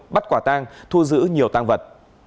bắt quả tang thu giữ nhiều tang vật